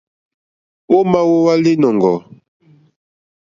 Ò ma wowa linɔ̀ŋgɔ̀?